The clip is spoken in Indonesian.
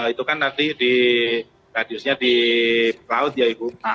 itu kan nanti di radiusnya di laut ya ibu